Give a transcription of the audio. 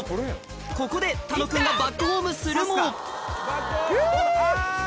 ここで楽君がバックホームするも・あぁ！